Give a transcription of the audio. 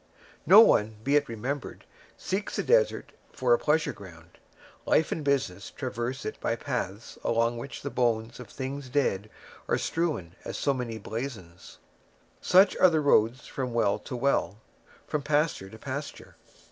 No one, be it remembered, seeks the desert for a pleasure ground. Life and business traverse it by paths along which the bones of things dead are strewn as so many blazons. Such are the roads from well to well, from pasture to pasture.